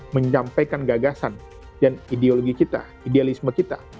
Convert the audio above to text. menyampaikan gagasan dan ideologi kita idealisme kita